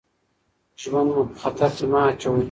ژوند مو په خطر کې مه اچوئ.